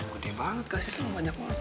gede banget kasih sayangnya banyak banget